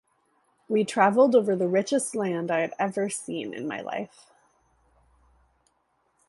We travelled over the richest land I had ever seen in my life.